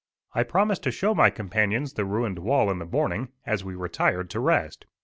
I promised to show my companions the ruined wall in the morning, as we retired to rest.